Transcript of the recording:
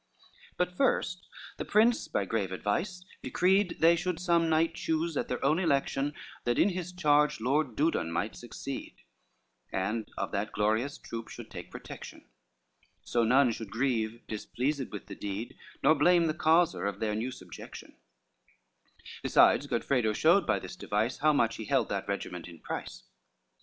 II But first the prince, by grave advice, decreed They should some knight choose at their own election, That in his charge Lord Dudon might succeed, And of that glorious troop should take protection; So none should grieve, displeased with the deed, Nor blame the causer of their new subjection: Besides, Godfredo showed by this device, How much he held that regiment in price.